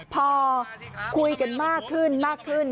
พอคุยกันมากขึ้น